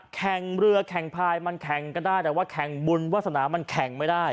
แข่งเรือแข่งพายมันแข่งก็ได้แต่ว่าแข่งบุญวาสนามันแข่งไม่ได้